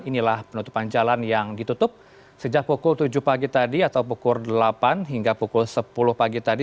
inilah penutupan jalan yang ditutup sejak pukul tujuh pagi tadi atau pukul delapan hingga pukul sepuluh pagi tadi